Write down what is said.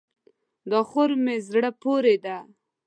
دا خور مې زړه پورې ده.